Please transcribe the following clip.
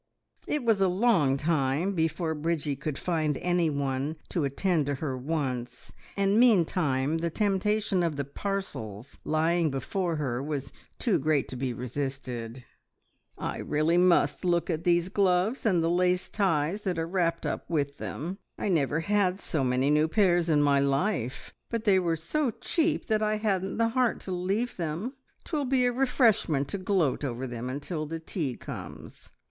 It was a long time before Bridgie could find anyone to attend to her wants, and meantime the temptation of the parcels lying before her was too great to be resisted. "I really must look at those gloves and the lace ties that are wrapped up with them! I never had so many new pairs in my life, but they were so cheap that I hadn't the heart to leave them. 'Twill be a refreshment to gloat over them until the tea comes!"